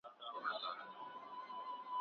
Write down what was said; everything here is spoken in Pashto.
هغوی پرون په پوهنتون کي ناسته درلوده.